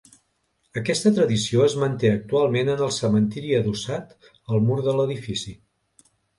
Aquesta tradició es manté actualment en el cementiri adossat al mur de l'edifici.